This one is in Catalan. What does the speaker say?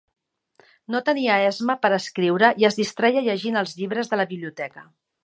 No tenia esma per escriure i es distreia llegint els llibres de la biblioteca.